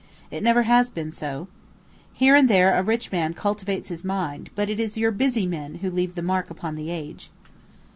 It never has been so. Here and there a rich man cultivates his mind; but it is your busy men who leave the mark upon the age.